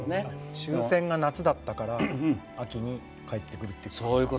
終戦が夏だったから秋に帰ってくるという。